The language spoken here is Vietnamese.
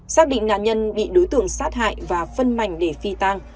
xác định nạn nhân bị đối tượng sát hại và phân mảnh để phi tang